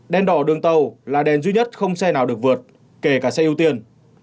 đen đỏ đường tàu là đen duy nhất không xe nào được vượt kể cả xe ưu tiên